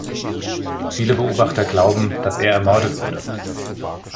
Viele Beobachter glauben, dass er ermordet wurde.